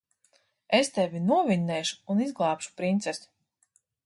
Es tevi novinnēšu un izglābšu princesi.